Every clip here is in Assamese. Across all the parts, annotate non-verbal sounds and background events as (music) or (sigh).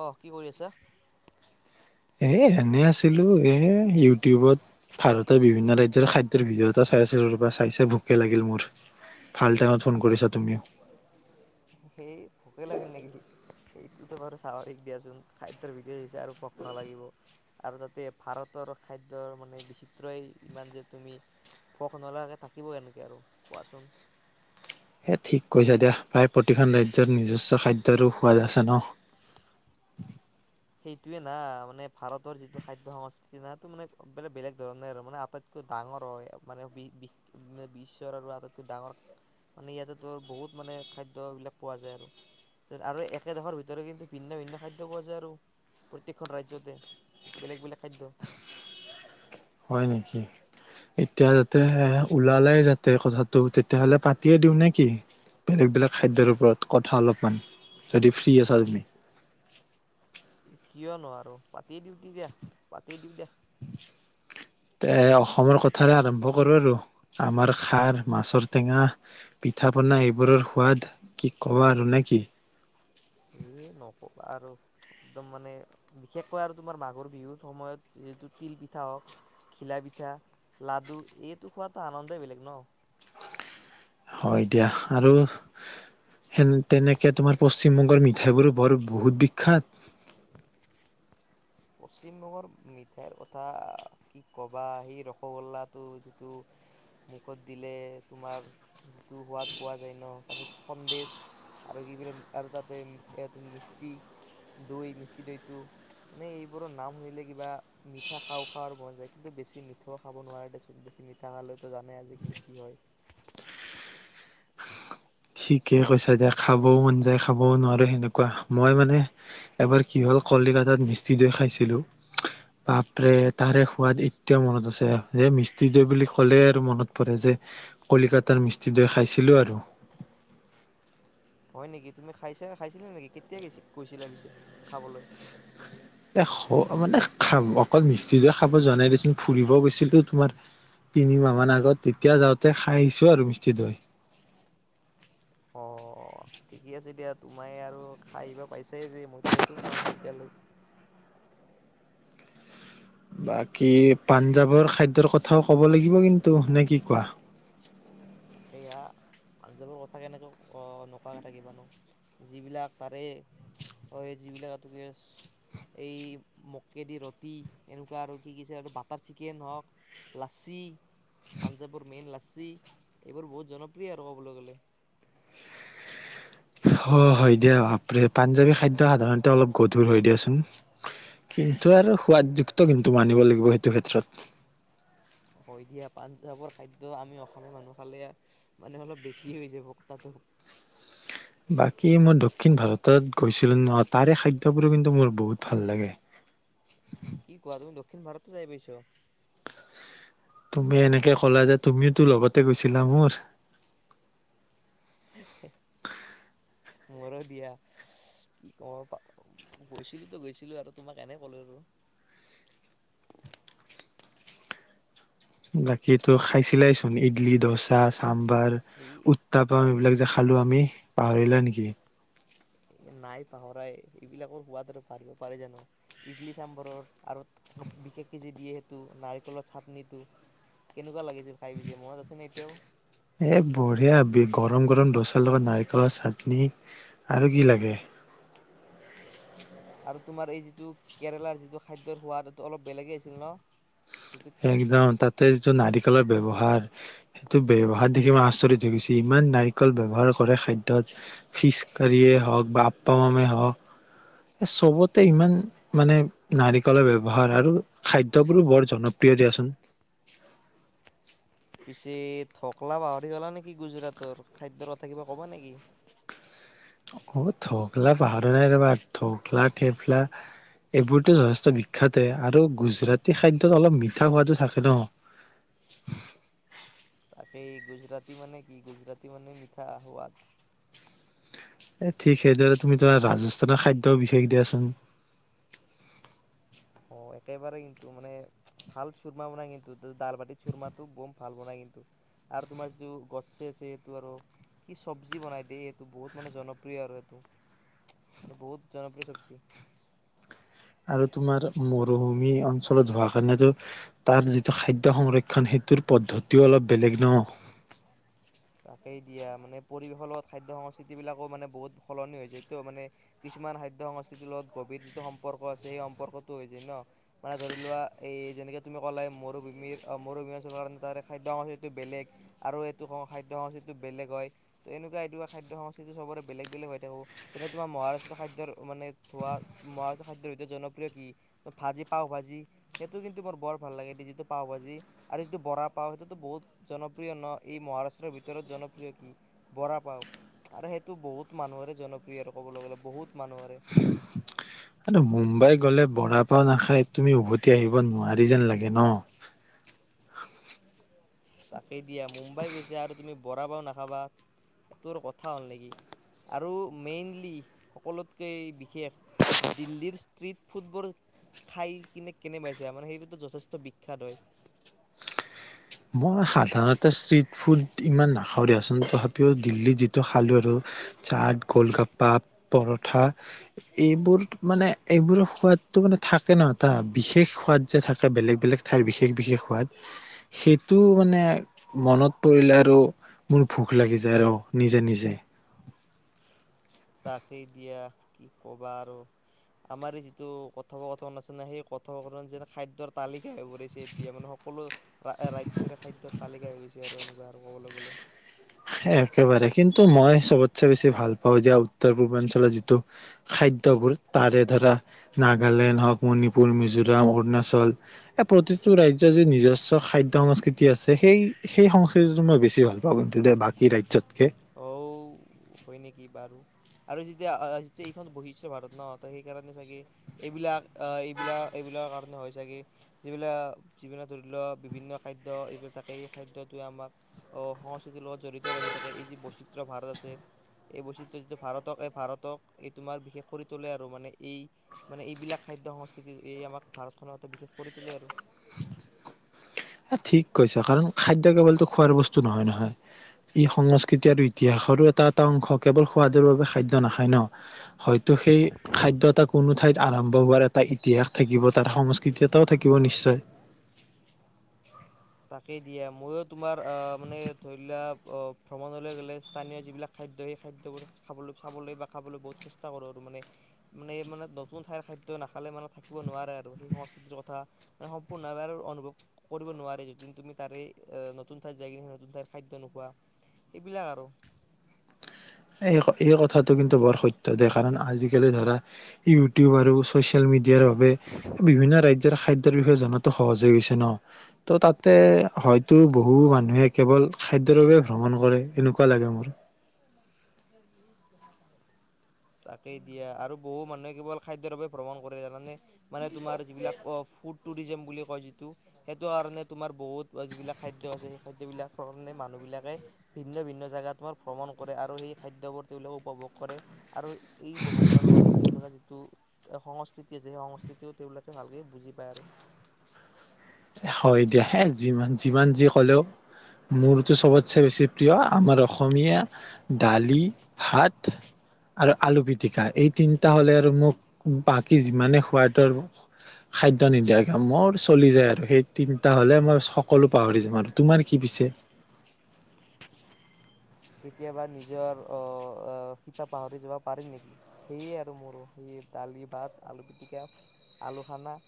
অ, কি কৰি আছা? এই এনে আছিলো এ, ইউটিউবত ভাৰতৰ বিভিন্ন ৰাজ্যৰ খাদ্যৰ ভিডিঅ এটা চাই আছিলো ৰব, চাই চাই ভোকে লাগিল মোৰ। ভাল টাইমত ফোন কৰিছা তুমিও। সেই ভোকে লাগিল নেকি? সেইটোতো বাৰু স্বাভাৱিক দিয়াচোন খাদ্যৰ ভিডিঅ' চাইছা আৰু ভোক নালাগিব। আৰু তাতে ভাৰতৰ খাদ্যৰ মানে বিচিত্ৰই ইমান যে তুমি ভোক নলগাকে থাকিব এনেকে আৰু কোৱাচোন? হে ঠিক কৈছে দিয়া প্ৰায় প্ৰতিখন ৰাজ্যত নিজস্ব খাদ্যৰো সোৱাদ আছে ন। সেইটোৱে না মানে ভাৰতৰ যিটো খাদ্য সংস্কৃতি না টো মানে বেলে বেলেগ ধৰনে আৰু মানে আটাইত ডাঙৰ হয় মানে বি বি বিশ্ব আৰু আটাইতকৈ ডাঙৰ মানে ইয়াতে তোৰ বহুত মানে খাদ্যবিলাক পোৱা যায় আৰু। আৰু একেডোখৰ ভিতৰে কিন্তু ভিন্ন-ভিন্ন খাদ্য পোৱা যায় আৰু। প্ৰত্যেকখন ৰাজ্যতে বেলেগ-বেলেগ খাদ্য। হয় নেকি? এতিয়া যাতেহে ওলালে যাতে কথাটো তেতিয়াহলে পাতিয়ে দিওঁ নে কি? বেলেগ-বেলেগ খাদ্যৰ ওপৰত কথা অলপমান, যদি ফ্ৰী আছা তুমি? কিয় নোৱাৰো পাতেই দিওঁ তি দিয়া, পাতেই দিওঁ দিয়া। (inaudible) এ অসমৰ কথাৰে আৰম্ভ কৰোঁ আৰু আমাৰ খাৰ, মাছৰ টেঙা পিঠা পনা এইবোৰৰ সোৱাদ কি ক'ব আৰু! নে কি? এইয়ে নকবা আৰু একদম মানে বিশেষকৈ আৰু তোমাৰ মাঘৰ বিহুৰ সময়ত সেইটো তিল পিঠা হওক ঘিলা পিঠা, লাডু এইটো খোৱাতো আনন্দই বেলেগ ন। হয় এতিয়া আৰু সেন তেনেকে তোমাৰ পশ্চিমবংগৰ মিঠাইবোৰো বৰ বহুত বিখ্যাত। পশ্চিমবংগৰ মিঠাইৰ কথা কি ক'বা সেই ৰসগোল্লাটো যিটো মুখত দিলে তোমাৰ যিটো সোৱাদ পোৱা যায় ন, তাৰপিছত সন্দেহ আৰু কি বিৰণ আৰু তাতে এইটো মিষ্টি দৈ মিষ্টি দৈটো মানে এইবোৰৰ নাম শুনিলে কিবা মিঠা খাওঁ খাও আৰু মন যায় কিন্তু বেছি মিঠাও খাব নোৱাৰে দেচোন, বেছি মিঠ মিঠা খেলটো জনাই আজিকালি কি হয়। ঠিকে কৈছা দিয়া খাবও মন যায় খাবও নোৱাৰো সেনেকুৱা, মই মানে এবাৰ কি হ'ল কলিকাতাত মিষ্টি দৈ খাইছিলো বাপৰে তাৰে সোৱাদ এতিয়াও মনত আছে, যে মিষ্টি দৈ বুলি ক'লে আৰু মনত পৰে যে কলিকাতাৰ মিষ্টি দৈ খাইছিলোঁ আৰু। হয় নেকি? তুমি খাইছা খাইছিলা নেকি? কেতিয়া গৈ গৈছিলা পিছে খাবলৈ? এ মানে খাব অকল মিষ্টি দৈ খাব যোৱা নাই দেচোন ফুৰিব গৈছিলো তোমাৰ তিনিমাহ মান আগত তেতিয়া যাওঁতে খায় আহিছোঁ আৰু মিষ্টি দৈ। অঁ। অ ঠিকেই আছে দিয়া তোমাই আৰু খাই বা পাইছাই যে মইতো সেইটো পোৱা নাই এতিয়ালৈ। বাকী পাঞ্জাৱৰ খাদ্যৰ কথাও ক'ব লাগিব কিন্তু নে কি কোৱা। তাকে এয়া পাঞ্জাৱৰ কথা কেনেকৈ অ নকৱাকে থাকি বানো। যিবিলাক তাৰে হয় যিবিলাক। এই মককেদি ৰুটি এনেকুৱা আৰু কি কছে আৰু বাটাৰ চিকেন হওঁক। লাচি পাঞ্জাৱৰ মেইন লাচি এইবোৰ বহুত জনপ্ৰিয় আৰু ক'বলৈ গ'লে। অ হয় দিয়া ভ পাঞ্জাবী খাদ্য সাধাৰণতে অলপ গধুৰ হয় দিয়াচোন। কিন্তু আৰু সোৱাদযুক্ত কিন্তু মানিব লাগিব সেইটো ক্ষেত্ৰত। অ দিয়া পাঞ্জাৱৰ খাদ্য আমি অসমীয়া মানুহ খালে। মানে অলপ বেছি হৈ যাব কথাটো। বাকী মই দক্ষিণ ভাৰতত গৈছিলোঁ ন তাৰে খাদ্যবোৰ কিন্তু মোৰ বহুত ভাল লাগে। কি কোৱা তুমি দক্ষিণ ভাৰততে যাই পাইছ। তুমি এনেকে ক'লা যে তুমিও তো লগতে গৈছিলা মোৰ। হে এ। (inaudible) মোৰ দিয়া কি কম প। গৈছিলোতো গৈছিলো আৰু তোমাক এনেই ক'লো আৰু। বাকী তো খাইছিলাই চোন ইডলি দচা চাম্বাৰ। এই তাপা এইবিলাক যে খালো আমি পাহৰিলাই নেকি। এই নাই পাহৰাই এইবিলাকৰ সোৱাদ আৰু পঢ়িব পাৰে জানো। ইডলি চাম্বৰৰ আৰু বিশেষ কেজি দিয়ে সেইটো নাৰিকলৰ চাটনিটো কেনেকুৱা লাগিছিল খাই পিছে মনত আছে ন এতিয়াও। এই বঢ়িয়া বিষ গৰম গৰম দচাৰ লগত নাৰিকলৰ চাটনি আৰু কি লাগে। আৰু তোমাৰ এই যিটো কেৰেলাৰ যিটো খাদ্যৰ সোৱাদ এইটো অলপ বেলেগে আছিল ন। একদম তাতে যিটো নাৰিকলৰ ব্যৱহাৰ। এইটো ব্যৱহাৰ দেখি মই আচৰিত হৈ গৈছে ইমান নাৰিকল ব ব্যৱহাৰ কৰে খাদ্যত। ফিচ কাৰীয়ে হওঁক বা আপ্পা মামে হওঁক চবতে ইমান। মানে নাৰিকলৰ ব্যৱহাৰ আৰু খাদ্যবোৰো বৰ জনপ্ৰিয় দিয়াচোন। পিছে ঢকলা পাহৰি গ'লা নেকি গুজৰাটৰ খাদ্যৰ কথা কিবা কবা নেকি। বহু ঢকলা পাহৰা নাই ৰবা ঢকলা থেফলা। এইবোৰতো যথেষ্ট বিখ্যাতে আৰু গুজৰাটী খাদ্যত অলপ মিঠা সোৱাদো থাকে ন। তাকে গুজৰাটী মানে কি? গুজৰাটী মানে মিঠা সোৱাদ। এ ঠিক সেইদৰে তুমি তোমাৰ ৰাজস্থানৰ খাদ্য বিশেষ দিয়াচোন। অ একেবাৰেই কিন্তু মানে ভাল চুৰমা বনাই কিন্তু ডাল বাতিত চুৰমাটো বম ভাল বনাই কিন্তু। আৰু তোমাৰ যিটো গটছে আছে সেইটো আৰু। কি চব্জি বনাই দেই এইটো বহুত মানে জনপ্ৰিয় আৰু এইটো। মানে বহুত জনপ্ৰিয় চব্জি। আৰু তোমাৰ মৰুভূমি অঞ্চলত হোৱা কাৰণেতো তাৰ যিটো খাদ্য সংৰক্ষণ। সেইটোৰ পদ্ধতিও অলপ বেলেগ ন। তাকেই দিয়া মানে পৰিৱেশৰ লগত খাদ্য সংস্কৃতিবিলাকো মানে বহুত সলনি হৈ যায়টো মানে। কিছুমান খাদ্য সংস্কৃতিৰ লগত গভীৰ যিটো সম্পৰ্ক আছে সেই সম্পৰ্কটো হৈ যায় ন। মানে ধৰি লোৱা এই যেনেকে তুমি ক'লে মৰুভূমিৰ মৰুভূমি অঞ্চলৰ কাৰণে তাৰে খাদ্য সাংস্কৃতিটো বেলেগ। আৰু এইটো কও খাদ্য সংস্কৃতিটো বেলেগ হয় ত এনেকুৱা এনেকুৱা খাদ্য সংস্কৃতি সবৰে বেলেগ বেলেগ হৈ থাকো। যেনে তোমাৰ মহাৰাষ্ট্ৰ খাদ্যৰ মানে থোৱা মহাৰাষ্ট্ৰ খাদ্যৰ ভিতৰত জনপ্ৰিয় কি। ত ভাজি পাও ভাজি সেইটো কিন্তু মোৰ বৰ ভাল লাগে, যিটো পাও ভাজি আৰু যিটো বৰা পাও সেইটোতো বহুত জনপ্ৰিয় ন, এই মহাৰাষ্ট্ৰৰ ভিতৰত জনপ্ৰিয় কি? বৰা পাও আৰে সেইটো বহুত মানুহৰে জনপ্ৰিয় আৰু ক'বলৈ গ'লে বহুত মানুহৰে আৰু মুম্বাই গ'লে বৰা পাও নাখাই তুমি উভতি আহিব নোৱাৰি যেন লাগে ন। (unintelligible) তাকেই দিয়া, মুম্বাই গৈছা আৰু তুমি বৰা পাও নাখাবা সেইটোৰ কথা হ'ল নেকি আৰু মেইনলি সকলোতকে বিশেষ দিল্লীৰ ষ্ট্ৰিট ফুটবোৰ খাই কিনে কেনে পাইছা? মানে সেইটো যথেষ্ট বিখ্যাত হয়। মই সাধাৰণতে ষ্ট্ৰিট ফুড ইমান নাখা নাখাও দিয়াচোন তথাপিও দিল্লী যিটো খালোঁ আৰু চাট কলগপ্পা, পৰঠা এইবোৰ মানে এইবোৰৰ সোৱাদটো মানে থাকে ন এটা, বিশেষ সোৱাদ যে থাকে বেলেগ বেলেগ ঠাইৰ বিশেষ বিশেষ সোৱাদ সেইটো মানে মনত পৰিলে আৰু মোৰ ভোক লাগি যায় আৰু নিজে নিজে।। তাকেই দিয়া কি কবা আৰু আমাৰ এই যিটো কথোপকথন আছে না সেই কথোপকথন যে খাদ্যৰ তালিকা হৈছে এতিয়া, মানে সকলো ৰাজ্যৰে খাদ্যৰে তালিকা হৈ গৈছে আৰু এনেকুৱা আৰু ক'বলৈ গ'লে। একেবাৰে কিন্তু মই চবতচে বেছি ভাল পাওঁ যে উত্তৰ পূৰ্বাঞ্চলৰ যিটো খাদ্যবোৰ তাৰে ধৰা নাগালেণ্ড হওঁক, মণিপুৰ, মিজোৰাম, অৰুণাচল, এই প্ৰতিটো ৰাজ্যৰ যি নিজস্ব খাদ্য সংস্কৃতি আছে সেই সেই সংস্কৃতিটো মই বেছি ভাল পাওঁ কিন্তু দে বাকী ৰাজ্যতকে। অঔ হয় নেকি বাৰু। আৰু যেতিয়া যেতিয়া এইখন বৈচিত্ৰ ভাৰত ন ত সেইকাৰণে চাগে এইবিলাক আহ এইবিলাক এইবিলাক কাৰণে হয় চাগে। যিবিলাক যিবিলাক ধৰি লোৱা বিভিন্ন খাদ্য এইবিলাক থাকে এই খাদ্যটোৱে আমাক অহ সংস্কৃতিৰ লগত জড়িত ৰাখি থাকে। এই যি বৈচিত্ৰ ভাৰত আছে এই বৈচিত্ৰ যিটো ভাৰতক এই ভাৰতক এই তোমাৰ বিশেষ কৰি তোলে আৰু মানে এই মানে এইবিলাক খাদ্য সংস্কৃতি এই আমাক ভাৰতখনৰ এটা বিশেষ কৰি তোলে আৰু। আহ ঠিক কৈছো, কাৰণ খাদ্য কেৱলতো খোৱাৰ বস্তু নহয় নহয় ই সংস্কৃতি আৰু ইতিহাসৰো এটা এটা অংশ কেৱল সোৱাদৰ বাবে খাদ্য নাখায় ন। হয়তো সেই খাদ্য এটা কোনো ঠাইত আৰম্ভ হোৱাৰ এটা ইতিহাস থাকিব তাৰ সংস্কৃতি সংস্কৃতি এটাও থাকিব নিশ্চয়। তাকেই দিয়ে ময়ো তোমাৰ অহ মানে ধৰি লোৱা অ ভ্ৰমণলৈ গ'লে স্থানীয় যিবিলাক খাদ্য সেই খাদ্যবোৰ খাবলৈ চাবলৈ বা খাবলৈ বহুত চেষ্টা কৰোঁ আৰু মানে মানে এই মানে নতুন ঠাইৰ খাদ্য নাখালে মানে থাকিব নোৱাৰে আৰু সেই সংস্কৃতিৰ কথা মান সম্পূৰ্ণভাৱে আৰু অনুভৱ কৰিব নোৱাৰে য যি তুমি তাৰে নতুন ঠাইত যাই কিনে সেই নতুন ঠাইৰ খাদ্য নোখোৱা, সেইবিলাক আৰু। এই এই কথাটো কিন্তু বৰ সত্য দে কাৰণ আজিকালি ধৰা ইউটিউব আৰু চচিয়েল মিডিয়াৰ বাবে বিভিন্ন ৰাজ্যৰ খাদ্যৰ বিষয়ে জনাতো সহজ হৈ গৈছে ন, তো তাতে হয়তো বহু মানুহে কেৱল খাদ্যৰ বাবে ভ্ৰমণ কৰে এনেকুৱা লাগে মোৰ। (unintelligible) (unintelligible) তাকেই দিয়ে আৰু বহু মানুহে কেৱল খাদ্যৰ বাবে ভ্ৰমণ কৰে মানে মানে তোমাৰ যিবিলাক অ ফুড টুৰিজাম বুলি কয় যিটো সেইটো কাৰণে, তোমাৰ বহুত যিবিলাক খাদ্য আছে, সেই খাদ্য বিলাকৰ কাৰণে মানুহ বিলাকে ভিন্ন-ভিন্ন জাগাত তোমাৰ ভ্ৰমণ কৰে, আৰু সেই খাদ্যবোৰ তেওঁলোকে উপভোগ কৰে, আৰু এই (unintelligible) কৰাৰ লগতে তেওঁলোকে যিটো সংস্কৃতি আছে, সেই সংস্কৃতিও তেওঁলোকে ভালকে বুজি পায় আৰু। হয়, দিয়া। যিমান যিমান যি হ'লেও মোৰতো চবতছে বেছি প্ৰিয়, আমাৰ অসমীয়া দালি, ভাত। আৰু আলু পিটিকা, এই তিনিটা হ'লে আৰু মোক বাকী যিমানে সোৱাদৰ খাদ্য নিদিয়া কিয় মোৰ চলি যায় আৰু। সেই তিনিটা হ'লে মই সকলো পাহৰি যাও আৰু। তোমাৰ কি পিছে? কেতিয়াবা নিজৰ অ শিপা পাহৰি যাবা পাৰি নেকি! সেয়ে আৰু মোৰো, সেই দালি, ভাত, আলু পিটিকা, আলু সনা।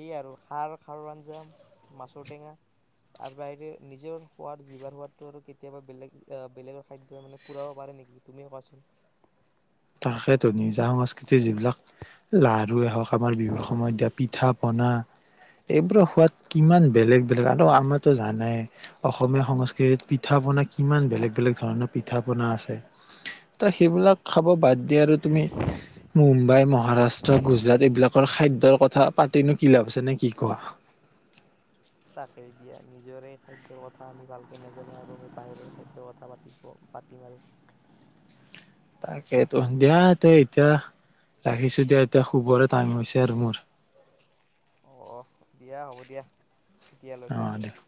এইয়ে আৰু খাৰ, খাৰৰ আঞ্জা, মাছৰটেঙা তাৰ বাহিৰে নিজৰ সোৱাদ, জিবাৰ সোৱাটো আৰু কেতিয়াবা বেলেগ বেলেগৰ খাদ্য মানে পুৰাব পাৰে নেকি! তুমিয়েই কোৱাচোন! তাকেতো, নিজা সংস্কৃতিৰ যিবিলাক লাৰুৱে হওঁক, আমাৰ বিহুৰ সময়ত দিয়া পিঠা-পনা এইবোৰৰ সোৱাদ কিমান বেলেগ-বেলেগ, আৰু আমাৰতো জানাই! অসমীয়া সংস্কৃতিত পিঠা-পনা কিমান বেলেগ-বেলেগ ধৰণৰ পিঠা-পনা আছে। ত, সেইবিলাক খাব বাদ দি আৰু তুমি মুম্বাই, মহাৰাষ্ট্ৰ, গুজৰাট এইবিলাকৰ খাদ্যৰ কথা পাতিনো কি লাভ আছে নে কি কোৱা? তাকে দিয়া। নিজৰে খাদ্যৰ কথা আমি ভালকে নাজানো, আৰু আমি বাহিৰৰ খাদ্যৰ কথা পাতিব, পাতিম আৰু। তাকেইতো, দিয়া, তে এতিয়া ৰাখিছো দিয়া, এতিয়া শুবৰে টাইম হৈছে আৰু মোৰ। অ', দিয়া, হ'ব দিয়া। এতিয়া লৈ অ থৈছোঁ। দিয়া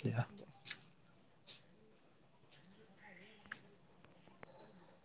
দিয়া (inaudible)